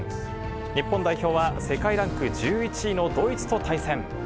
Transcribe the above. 日本代表は世界ランク１１位のドイツと対戦。